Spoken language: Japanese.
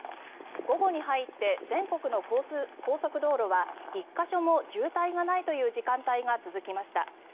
午後に入って全国の高速道路は１か所も渋滞がないという時間帯が続きました。